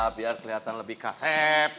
biar kelihatan lebih kasep